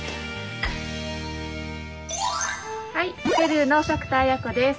はいペルーの作田文子です。